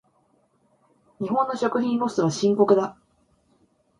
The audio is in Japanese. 日本の食品ロスは深刻だ。